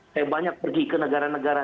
saya banyak pergi ke negara negara